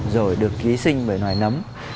rồi được ký sinh bởi loại nấm